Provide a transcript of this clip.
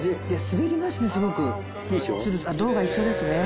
滑りますねすごく。